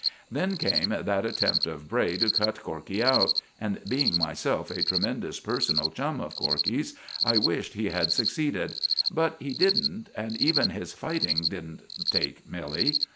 Then came that attempt of Bray to cut Corkey out, and, being myself a tremendous personal chum of Corkey's, I wished he had succeeded; but he didn't, and even his fighting didn't take Milly.